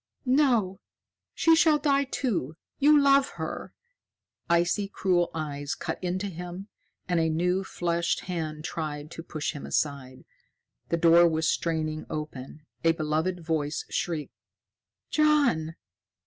"No! She shall die, too. You love her!" Icy, cruel eyes cut into him, and a new fleshed hand tried to push him aside. The door was straining open. A beloved voice shrieked. "John!"